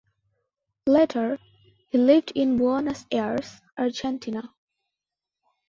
Later, he lived in Buenos Aires, Argentine.